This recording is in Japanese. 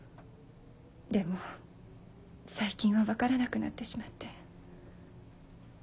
でも最近は分からなくなってしまって。